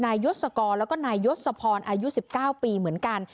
นายยศกรแล้วก็นายยศสะพรอายุสิบเก้าปีเหมือนกัน